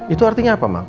itu artinya apa mak